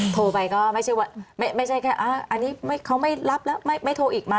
โทรไปก็ไม่ได้ว่าเขาไม่การรับแล้วไม่โทรอีก